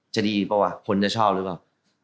จะดีอีกเปล่าวะคนจะชอบหรือเปล่า